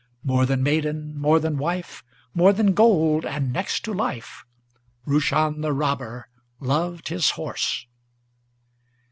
More than maiden, more than wife, More than gold and next to life Roushan the Robber loved his horse.